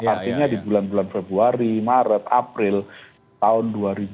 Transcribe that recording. artinya di bulan bulan februari maret april tahun dua ribu dua puluh